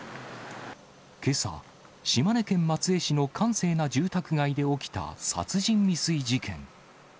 けさ、島根県松江市の閑静な住宅街で起きた殺人未遂事件。